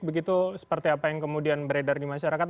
begitu seperti apa yang kemudian beredar di masyarakat